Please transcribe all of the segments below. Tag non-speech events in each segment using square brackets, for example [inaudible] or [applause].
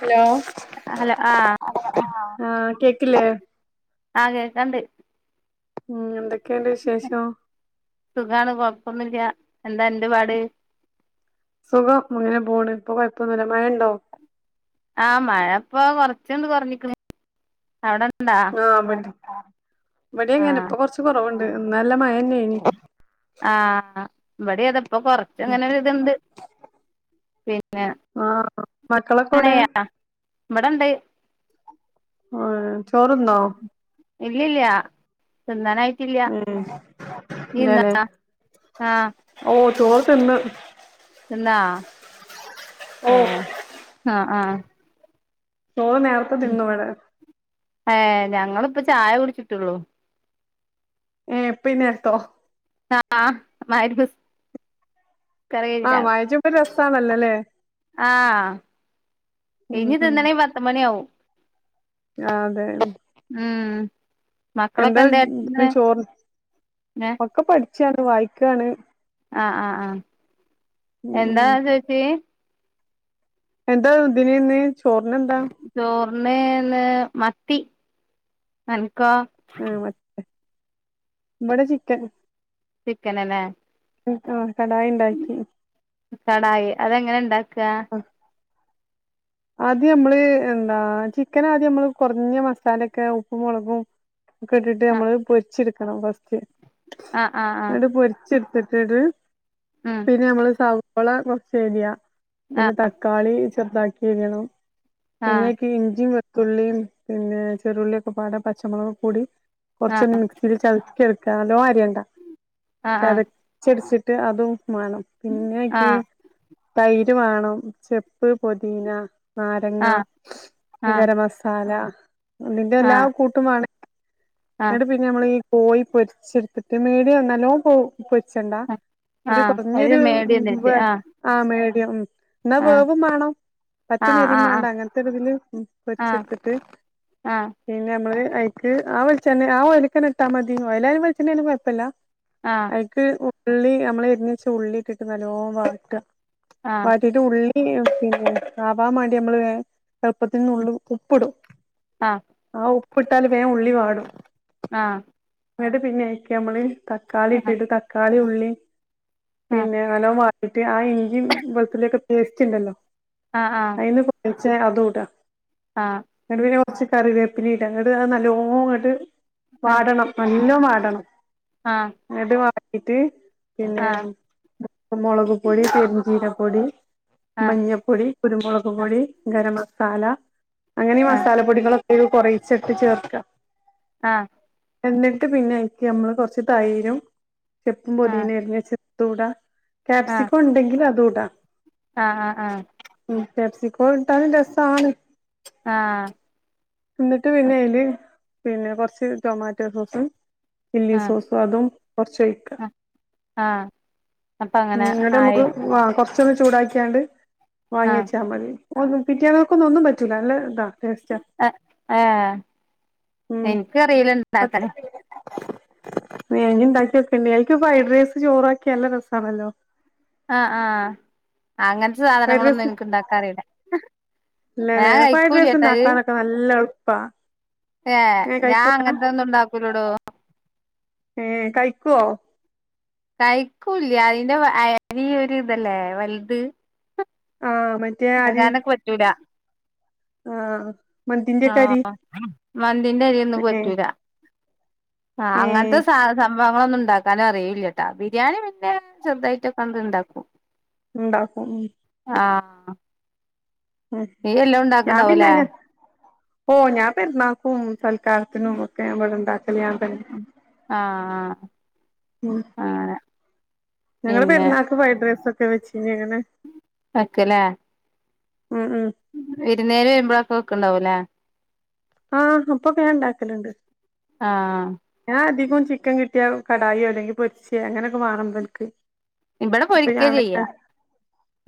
Hello hello ആ ആഹ് കേക്കില്ലേ? ആഹ് കെക്ക്ണ്ട് ഉം എന്തൊക്കെണ്ട് വിശേഷം? സുഖാണ് കൊഴപ്പൊന്നുല്ല എന്താ അന്റെപാട് സുഖം അങ്ങനെ പോണ് ഇപ്പൊ കോഴപ്പൊന്നുല്ല മഴ ഇണ്ടോ? ആഹ് മഴ ഇപ്പൊ കൊർച്ചണ്ട് കോർഞ്ക്ണ് അവിടെണ്ടാ? ആഹ് ഇവടിം വടിം ആ അങ്ങനെ ഇപ്പൊ കൊർച്ച് കോറവ്ണ്ട് ഇന്ന് നല്ല മഴന്നെനി ആഹ് ഇവടെ അതപ്പൊ കൊർച്ച് ഇങ്ങനെ ഒരു ഇത്ണ്ട് [unintelligible] ആഹ് മക്കളൊക്കെ ഇവടെ എവിടെ ഇണ്ട് ആഹ് ചോറ്ന്നോ? ഇല്ല്യാ ഇല്ല്യാ തിന്നാന് ആയി ട്ടില്ല്യാ ഏഹ് ഇയ്യ്ന്നാ ആഹ് ഓ ചോറ് തിന്ന് ത്ന്നാ ഓഹ് ഏഹ് ആഹ് ആഹ് ചോറ് നേരത്തെ തിന്നും ഇവടെ ഏഹ് ഞങ്ങള്പ്പം ചായ കുടിച്ചിട്ടോള്ളൂ ഏഹ് ഇപ്പ ഈ നേരത്തോ? ആഹ് മഹ് രിബ് ആഹ് വായിച്ചപ്പം രസാണല്ലോ ല്ലേ ആഹ് ഉം ഇഞ് ഉം തിന്നണെങ്കി പത്ത് മണി ആവും ആഹ് അതെ ഉം മക്കളൊക്കെ എന്താ ഇതി കാട്ട്ണ്? ചോറ് ഏ ഒക്കെ പഠിച്ചാണ് വായിക്കാണ് ആഹ് ആഹ് ആഹ് ഉം എന്താ ഉം ചേച്ചി എന്താ ഇദിനിന്ന് ചോർന് എന്താ? ചോർന് ഇന്ന് മത്തി അൻക്കോ? ആഹ് മത്തി ലെ ഇവടെ ചിക്കൻ ചിക്കന് ലെ ആഹ് കടായി ഇണ്ടാക്കി കടായി അതെങ്ങനെ ഇണ്ടാക്ക അഹ് ആദ്യ അമ്മള് എന്താ ചിക്കനാദ്യം അമ്മള് കോർഞ്ഞ മസാലൊക്കെ ഉപ്പും, മോളകും ക്കെ ഇട്ടിട്ട് ആ നമ്മള് പൊരിച്ചെട്ക്കണം ഫസ്റ്റ് ആ ആ ആ ന്നട്ട് പൊര്ച്ചെട്ത്തിട്ട്ട് ആഹ് പിന്നെ നമ്മള് സവാള കോർച്ച് എര്യാ ആ പിന്നെ തക്കാളി ചെർതാക്കി എരിയണം ആ പിന്നെ അയ്ക്ക് ഇഞ്ചി ത്തുള്ളീം, പിന്നെ ചെറുള്ളി, ഒക്കെപാടെ പച്ചമോളക്, കൂടി ആ കോർച്ച് മി ത് ചതക്കി എട്ക്ക നല്ലോം അര്യണ്ട ആ ചതച്ചടിച്ചിട്ട് അതും മാണം പിന്നെ ആ അയ്ക്ക് തൈര് വാണം, ചെപ്പ്, പൊദിന നാരങ്ങ, ആ ആ ആ ഗരംമസാല, ഇതിന്റെ എല്ലാ കൂട്ടുംമാണം ആ ആ ഇന്നട്ട് പിന്നെ നമ്മളീ കോയി പൊര്ച്ചെടുത്തിട്ട് മേടിയം ന്നല്ലോം പോവും പൊര്ച്ചണ്ട ആ ഒരു കോർഞ്ഞൊരു മേടിയന്നിട്ട് വെ ആ ആഹ് മേടിയം ന്നാ ആ വേവും മാണം ആ പറ്റന്നെരിം ആ ആ മാണ്ട അങ്ങൻത്തൊര് ഇതില് ആ പൊര്ച്ചെട്ത്തിട്ട് ആ ആ പിന്നെ നമ്മള് ഐക്ക് ആഹ് വെളിച്ചെണ്ണ ആഹ് ഒയിൽക്കെന്നെ ഇട്ടാ മതി ഒയലായാലും വളിച്ചെണ്ണായാലും കോഴപ്പല്ല ആഹ് അയ്ക്ക് ഉള്ളി നമ്മള് എരിഞ്ഞെച്ച ഉള്ളിട്ട്ട്ട് നല്ലോം വാട്ട ആഹ് ഉള്ളി പിന്നെ ആവാം മാണ്ടി നമ്മള് വേം എൾപ്പത്തിന് നുള്ള് ഉപ്പ്ടും ആഹ് ആ ഉപ്പിട്ടാല് വേം ഉള്ളിവാടും ആഹ് ഇന്നിട്ട് നമ്മള് തക്കാളി ഇട്ടിട്ട് തക്കാളിം ഉള്ളി പിന്നെ നല്ലോം വാട്ടിട്ട് ആ ഇഞ്ചിം വെളുത്തുള്ളിക്കെ പേസ്റ്റുണ്ടല്ലോ ആഹ് ആഹ് അയിന്ന് പോ വച്ചാ അതൂടാ ആഹ് എന്നിട്ട് പിന്നെ കുറച്ച് കറിവേപ്പിലിട എന്ന്ട്ട് അത് നല്ലൊങ്ങ്ട്ട് അങ്ങോട്ട് വാടണം നല്ലോ വാടണം ആഹ് എന്നിട്ട് വടിട്ട് പിന്നെ മുളക് പൊടിം പെരിഞ്ചീരം പൊടി മഞ്ഞപ്പൊടി കുരുമുളക് പൊടി ഗരാമസാല അങ്ങനെ മസാലപ്പൊടികളൊക്കെ കൊറേചാറട്ട് ചേർക്കാം ആഹ് എന്നിട്ട് പിന്നയ്ക്ക നമ്മള് കൊർച്ച് തൈരും ചെപ്പും ആ പൊതീനിം എരിഞ്ഞെച്ച തൂടാ ക്യാപ്സിക്കം ഇണ്ടെങ്കില് അതൂടാ ആഹ് ആഹ് ആഹ് ഉം കാപ്സികോട്ടാലും രസാണ് ആഹ് എന്നിട്ട് പിന്നെ അയ്ല് പിന്നെ കൊറച്ച് ടൊമാറ്റോ സോസും ചില്ലി ആ സോസും അതും കുറച്ച് ഒഴിക്ക ആഹ് അപ്പ അങ്ങനെ ആയി ആഹ് കൊറച്ചും കൂടി ചൂടാക്കിയാണ്ട് വാങ്ങി ആഹ് വെച്ചാ മതി ഒ പിറ്റ്യേന്നൊക്കൊന്നും ഒന്നും പറ്റൂല്ല നല്ല ഇതാ ടേസ്റ്റാ ആ ആഹ് എനിക്കറില്ല ഇണ്ടാക്കാന് മേഗി ഇണ്ടാക്കി വെക്കേണ്ടി അയ്ക്ക് ഫ്രൈഡ് റൈസും ചോറാക്കിയ നല്ല രസാണല്ലോ ആ ആഹ് അങ്ങനത്തെ ഫ്രൈഡ് സാധനങ്ങളൊന്നും ഞങ്ങക്ക് ഇണ്ടാക്കാറയില്ല ഇല്ലല്ലെ ഫ്രൈഡ് റൈസിണ്ടാക്കാനൊക്കെ നല്ല എളുപ്പാ ഏഹ് ഏ ഞാൻ കഴിക്കൂല അങ്ങനത്തെ ഒന്നും ഉണ്ടാക്കൂലോടോ ഏ കഴിക്കോ കഴിക്കൂല്ല അതിന്റെ അരി ഒരിത്തല്ലേ വലുത് ആഹ് മറ്റേ അത് അരി കാരണക്ക് പറ്റൂല ആഹ് മന്തിന്റെകെ ആഹ് അരി മന്തിന്റെ അരിയൊന്നും ഏ പറ്റൂര ആ ഏ അങ്ങനത്തെ ശാസം വിഭവങ്ങൾ ഒന്നും ഇണ്ടാക്കാനും അറിയില്ലട്ടാ ബിരിയാണി പിന്നെ ചെറുതായിട്ടൊക്കെ അങ്ങ്ട്ട് ഇണ്ടാക്കും ഇണ്ടാകും ഉം ആഹ് നീ എല്ലാം ഞാൻ പിന്നെ ഉണ്ടാക്ക്ണ്ടാവുംല്ലേ അ ഓ ഞാൻ പെരുന്നാക്കും സൽക്കാരത്തിനും ഒക്കെ ഞാന് ഇവിടെ ഇണ്ടാക്കല് ഞാൻ തന്നെ ആഹ് ആഹ് ഉം അങ്ങനെ ഞങ്ങള് പിന്നെ പെരുന്നാക്ക് ഫ്രൈഡ് റൈസ് ഒക്കെ വെച്ചിനെ അങ്ങനെ വക്കല്ലേ ഉം ഉം വിരുന്നെരു വരുമ്പോഴൊക്കെ വെക്കുണ്ടാവുല്ല ആഹ് അപ്പൊക്കാ ഞാൻ ഉണ്ടാക്കലുണ്ട് ആഹ് ഞാൻ അധികം ചിക്കൻ കിട്ടിയാ കടായോ അല്ലെങ്കി പൊരിച്ചേ അങ്ങനെയൊക്കെ വാണം ഇബൾക്ക് ഇവിടെ ഇപ്പൊ പൊരിക്ക ഞാൻ ചെയ്യാ തെന്നെ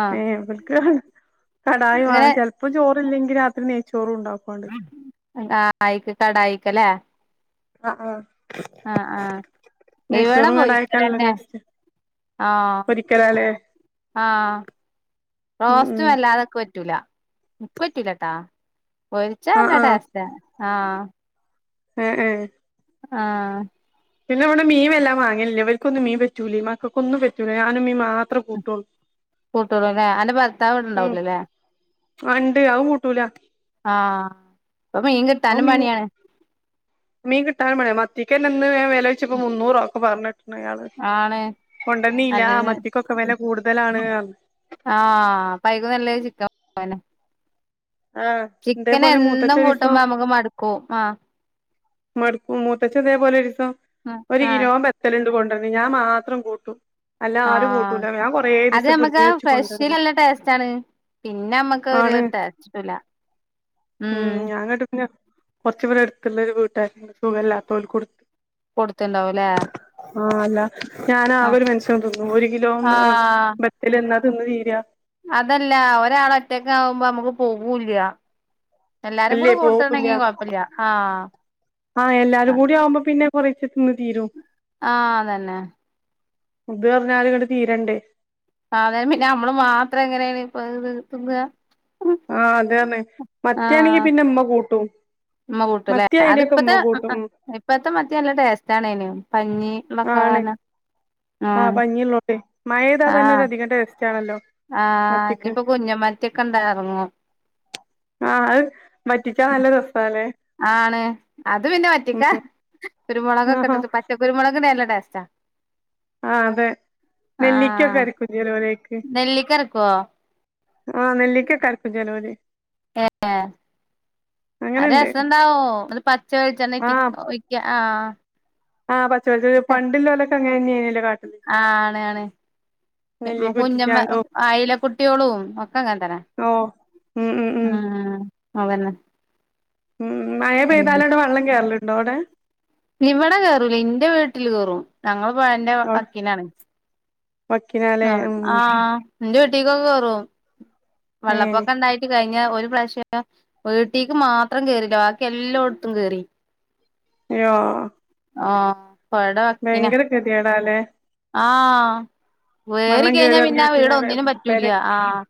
ആഹ് ഏ ഇബൾക്ക് ഇങ്ങനെ കടയിവാണം ചിലപ്പോം ചോറല്ലെങ്കിൽ രാത്രി നെയ്ച്ചോറും ഉണ്ടാക്കുവാണ് ആഹ് ആയിക്ക് കടായിക്കല്ലേ ആഹ് ആ ആഹ് ആഹ് ഇവിടെ നെയ്ച്ചോറും കടായി ഒക്കെ നല്ല പൊരിക്കലന്നെ ടേസ്റ്റ ആഹ് ആഹ് ഉം ഉം റോസ്റ്റും വല്ലാതൊക്കെ പറ്റൂല ഉക്കറ്റിലട്ടാ ആഹ് പൊരിച്ചാല്ലാടസ്ഥ ആഹ് ആഹ് ആഹ് ആഹ് പിന്നെ വിടെ മീൻ വല്ലാം വാങ്ങലില്ല അവർൊന്നും മീൻ പറ്റൂല മക്കൊന്നും പറ്റൂല ഞാനും മമീം മാത്രം കൂട്ടളൂ അല്ലേ അൻ്ന്റെ ഭർത്താവ് ഇവിടുണ്ടാവൂല്ല ല്ലേ ഉണ്ട് അഉം കൂട്ടൂല ആഹ് പ്പമീൻ അത് കിട്ടാനും മീൻ പണിയാണ് മീൻ കിട്ടാൻ മയേ മത്തിക്ക് എന്നെന്ന് വില വെച്ചപ്പോ മുന്നൂറോ ഒക്കെ പറഞ്ഞിട്ട് യാള് ആണ് കൊണ്ടന്നില്ല നല്ല മത്തിക്കൊക്കെ വില കൂടുതലാണ് ആഹ് പൈക നല്ല ചിക്കൻ പോനെ ആഹ് ചിക്കൻ ഇതേപോലെ മൂത്തച്ചി എന്നും ഒരീസം കൂട്ടുമ്പോ നമുക്ക് മടുക്കും ആഹ് മടുക്കും മൂത്തച് അതേപോലെ ഒരു ദസം ഒരു ആഹ് കിലോ ബെത്തലുണ്ട് കൊണ്ടുവന്ന ഞാൻ മാത്രം കൂട്ടും അല്ല ആരും ആഹ് കൂട്ടൂല ഞാൻ കൊറേ അത് ദിവസം നമ്മുക്ക ഫ്രിഡ്ജ് വെച്ച് കൊണ്ടടന്ന് ഫ്രഷലില്ല ടേസ്റ്റാണ് പിന്നെ നമ്മക്കരു ആണ് ടേസ്റ്റ്ട്ടൂല ഉം ഞങ്ങോട്ട് പിന്നെ കൊറച്ചു പേടെ എടുത്തുള്ളരു വീട്ടായി സുഖല്ലാത്ത പോല് കൊടുത്ത് കൊടുത്തണ്ടാവുംല്ലേ ആഹ് അല്ല ഞാനൻ ആകെ ഒരു മനുഷ്യൻ തിന്നു ഒരു കിലോ ആഹ് ത്തൽ എന്നാ തിന്ന് തീരാ അതല്ല ഒരാൾ ഒറ്റക്ക് ആകുമ്പോ നമുക്ക് പോകൂില്ല എല്ലാരും കൂടെ ഇല്ലേ കൂട്ടണ്ടെങ്കിൽ പോവൂല്ല കുഴപ്പല്ല ആഹ് ആഹ് എല്ലാരും കൂടി ആവുമ്പം പിന്നെ കുറയ്ച്ചിട്ട നിന്ന് തീരും ആഹ് അതന്നെ ഇത് പറഞ്ഞാല ഇങ്ങട്ട് തീരണ്ടേ അത പിന്നെ നമ്മള് മാത്രം എങ്ങനെയാണ് ഇപ്പൊ ഇത് തിന്ന ആഹ് അതന്നെ മത്തിയായാണെങ്കി പിന്നെ അമ്മ കൂട്ടും ഇമ്മ കൂട്ടല്ലേ മത്തി അയിലൊക്കെ ഉമ്മ അതിപ്പത്തെ കൂട്ടും ഉം ഇപ്പത്തെ മത്തി നല്ല ടേസ്റ്റാണേനും പഞ്ഞീ ആണ് മക്കാങ്ങനെ ആഹ് മഴെയ്താ തന്നെ ആഹ് ഒരധികം ടേസ്റ്റാണല്ലോ. ആഹ് ഇഞ്ഞിപ്പോ കുഞ്ഞൻ മത്ത്യൊക്കെണ്ടോ എറങ്ങൂ. ആഹ് അയ് വറ്റിച്ചാ നല്ല രസാലേ. ആണ് അത് പിന്നെ വറ്റിക്കാ കുരുമൊളകൊക്കെ ആഹാ ഇട്ട്ട്ട് പച്ചക്കരുമൊളക് നല്ല ടേസ്റ്റാ. ആഹ് അതെ ആഹ് നെല്ലിക്കൊക്കെരക്കു ചെലോരയ്ക്ക്. നെല്ലിക്ക അരക്കുവോ ആഹ് നെല്ലിക്കൊക്കരക്കും ചെലോര്. ഏഹ്. ആഹ് അങ്ങനെണ്ട് രസണ്ടാവൂ ന്നട്ട് പച്ചവെളിച്ചെണ്ണ ഉറ്റി, ആഹ് ഒഴിക്കാ ആഹ്. ആഹ് പച്ച വെളിച്ചെണ്ണ പണ്ടില്ലോലൊക്കെ അങ്ങനെന്ന്യേനല്ലോ. ആഹ് ആണ് ആണ്. നെല്ലിക്ക കുഞ്ഞമ്മ ഉറ്റിച്ചാണ്ടും ആയില കുട്ട്യോളും ഒക്കങ്ങൻത്തന്നാ. ഓഹ്. ഉം ഉം ഉം. അതെന്നെ. ഉം മഴ പെയ്താലാണ്ട് വെള്ളം കേറല്ണ്ടോ അവ്ടേ? ഇവടെ കേറൂല ഇന്റെ വീട്ടില് കേറും. ഞങ്ങള് പൊയന്റെ വക്കിനാണ് വക്കിനാലേ ഉം ആഹ്. ന്റെ വീട്ടീക്കും കേറും, ഏ വെള്ളപ്പൊക്കെണ്ടായി കഴിഞ്ഞ ഒര് പ്രാവശ്യം വീട്ടീക്ക് മാത്രം കേറീല ബാക്കി എല്ലോട്ത്തും കേറി. യാഹ്‌ ആഹ് പൊയട വക്കിനാ ഗതികേടാല്ലേ ആഹ്. വേറി വെള്ളം കേറി കഴിഞ്ഞാ ഇറങ്ങിയാ പിന്നാ പിന്നെ വീടൊന്നിനും പറ്റൂല്ല്യ ആഹ്.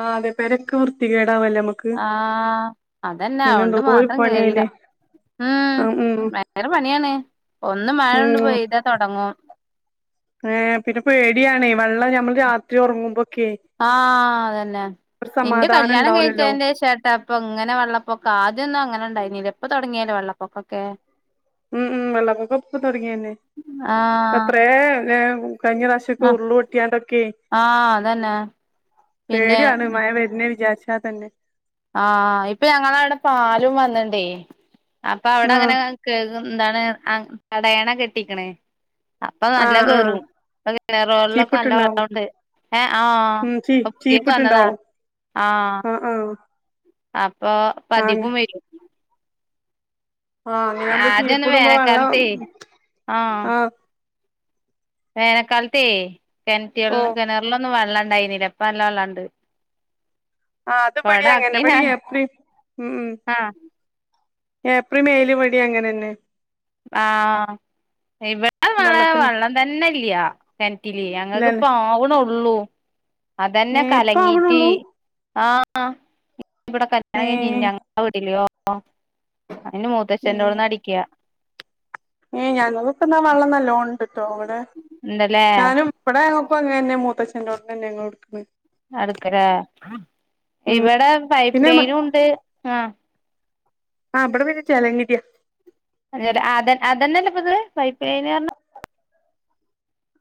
ആഹ് പെരെക്കെ വൃത്തി കേടാവല്ലേ അമ്മക്ക് ആഹ് അതന്നെ അവോണ്ട് എന്തോരു മാത്രം കേറീല പണിയായില്ലേ ഉം ആ ഉം ഭയങ്കെരെ പണ്യാണ് ഒന്ന് മാഴൊണ്ട് പെയ്താ തൊടങ്ങും ഏഹ് പിന്നെ പേട്യാണേ വെള്ളം ഞമ്മൾ രാത്രി ഒറങ്ങുമ്പോക്ക്യേ ആഹ് അതന്നെ ഇന്റെ കല്യാണം ഉണ്ടാവൂലല്ലോ കഴിച്ചേന്റേഷാട്ടാേ പ്പൊങ്ങനെ വെള്ളപ്പൊക്കം ആദ്യൊന്നും അങ്ങനെണ്ടായിന്നീല ഇപ്പൊ തൊടങ്ങിയല്ലേ വെള്ളപ്പൊക്കൊക്കെ. ഉം ഉം വെള്ളപ്പൊക്കം ഇപ്പ തൊടങ്ങിയനീ ആഹ് എത്രേ ലേ കഴിഞ്ഞറാശ്യം ക്കെ ആഹ് ഉര്ള് പൊട്ടിയാണ്ടൊക്കേയ് ആഹ് അതന്നെ പിന്നെ പേട്യാണ് മഴ ന്നെ വിജാര്ച്ചാ തന്നെ. ആഹ് ഇപ്പ ഞങ്ങളാവ്ടെ പാലും വന്ന്ണ്ടേ അപ്പൊ ആ അവ്ടങ്ങനെ കേക് എന്താണ് തടയണ കെട്ടീക്ക്ണേ അപ്പൊ ആഹ് നല്ലം ആഹ് കേറും ഇപ്പൊ കെണറ് വള്ളൊക്കെ നല്ല ചീപ്പിട്ടുണ്ടാവും വെള്ളോണ്ട്. ഏഹ് ആഹ് ഉം ചീ അപ്പ പുതിയൊക്ക് വന്നതാ. ചീപ്പിട്ടുണ്ടാവും ആഹ് ആഹ്. ആഹ് അപ്പൊപ്പതികും വരും. ആഹ് അങ്ങനാവുമ്പം ആദ്യൊന്നും കീഴിപ്പ്ടുമ്പോ വെള്ളം വേനൽക്കാലത്തേ ആഹ് വേനല്ക്കാലത്തേ കെണറ്റി വെ ഓ കെണറിലൊന്നും വെള്ളണ്ടായിന്നില ഇപ്പ നല്ല വെള്ളണ്ട് ആഹ് അത്ബടിം ഇവിടെ അങ്ങനാ ആക്കീനാ ഇബടീം ഏപ്രില് ഉം ഉം ആഹ് ഏപ്രില് മെയില് ഇവടീം അങ്ങനെന്നേ ആഹ് ഇവ വെള്ളത്തിന് ക്കാൻ തന്നെല്ല്യാ കെണ്റ്റിലേ ഞങ്ങക്ക്പ്പ ഇല്ലല്ലേ ആവ്ണോള്ളൂ അതന്നെ ഏഹ് ഇപ്പ കലങ്ങീറ്റ് ആവണൊള്ളൂ ആഹ് ഇവടെ കല്യാണം കഴിഞ്ഞ് ഏഹ് ഇഞ്ഞങ്ങളെ വിട്ട്ല് അയിന് മൂത്തച്ഛൻ്റോടുന്നാ അടിക്ക്യാ ഏയ് ഞാങ്ങളോട്ട്ന്നാ വെള്ളംന്നല്ലോണ്ട്ട്ടോ അവ്ടെ ഉണ്ടല്ലേ ഞാനും ഇവടെ ഞങ്ങക്കൂ അങ്ങനേന്നെ മൂത്തച്ഛൻ്റോട്ത്തെന്നേന്നു എടുക്ക്ണേ അടുക്കലേ ഉം ഇവെടെ പൈപ്പ് പിന്നെ ലൈനുംണ്ട് ആഹ് ആഹ് ഇവിടെ പിന്നെ ജല നിതിയാ അതെ അതെന്നെയല്ലേ ഇപ്പോത് പൈപ്പ് ലൈൻ പറഞ്ഞാ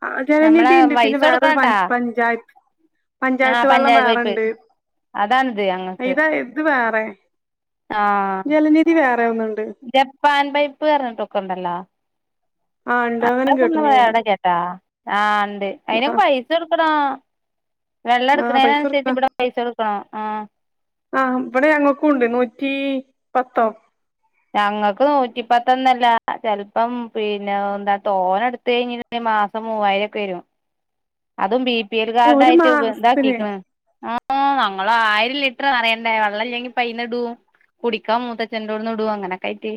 ആഹ് നമ്മളെ ജലനിധിയുണ്ട് പിന്നെ പൈസ വേറൊരു പ കൊടുക്കണട്ടാ പഞ്ചായത്ത് ആഹ് പഞ്ചായത്ത് വെള്ളം പൈപ്പ് വേറെണ്ട് അതാണിത് ഞങ്ങക്ക് ഇതാ ഇത് വേറെ ജലനിധി വേറെയൊന്നുണ്ട് പാൻ പൈപ്പ് പറഞ്ഞിട്ടൊക്കെണ്ടല്ലോ ആ ഉണ്ട് അങ്ങനും അവിടെ [unintelligible] കേട്ട്ണ് ഞാന് ആഹ് ആഹ് ഉണ്ട് ആ അയിനൊക്കെ പൈസ കൊടുക്കണം വെള്ളം ആ പൈസ എടുക്കണേനുസരിച്ച് കൊടുക്കണം ഇവിടെ പൈസ കൊടുക്കണം ആഹ് ആഹ് ഇവിടെ ഞങ്ങൾക്കുണ്ട് നൂറ്റി പത്തോ ഞങ്ങൾക്ക് നൂറ്റി പത്തൊന്നല്ല ചിലപ്പം പിന്നെ എന്താ തോനെ എടുത്ത കഴിഞ്ഞേ മാസം മൂവായിരൊക്കെ വരും അതും ബി പി എൽ ഏ ഒരു കാർഡായിട്ട് മാസത്തിന് ബന്ധാക്കിക്കണ് ഓ ഞങ്ങള് ആയിരം ലിറ്റർ നിറയണ്ടേ വെള്ളം ഇല്ലെങ്കി അയ്ന്നിടും കുടിക്കാൻ മൂത്തച്ചന്റോട്ന്ന് ഇടും അങ്ങനക്കെയായിട്ട്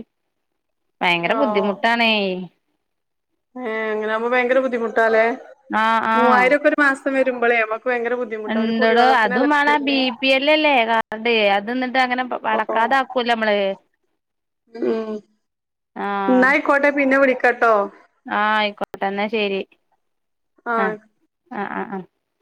ഭയങ്കര അയ്യോ ബുദ്ധിമുട്ടാണേ ഏഹ് അങ്ങനാവുമ്പോ ഭയങ്കര ബുദ്ധിമുട്ടാല്ലേ ആഹ് ആഹ് മൂവായിരൊക്കെ ഒരു മാസത്തെ വരുമ്പോളേ ഭയങ്കര ബുദ്ധിമുട്ടാ ഒരു കുടിവെള്ളത്തിനല്ലെ ഇത് വരുന്നേ ഇല്ലല്ലേ കാർഡ് അത് എന്നിട്ട് അങ്ങനെ ഓ അടക്കാതാക്കൂല്ലേ നമ്മള് ഉം ആഹ് എന്നായിക്കോട്ടെ പിന്നെ വിളിക്കാട്ടോ ആഹ് ആയിക്കോട്ടെ എന്നാ ശരി ആ ആഹ് ആയിക്കോട്ടെ. ആഹ് ആഹ് ആഹ്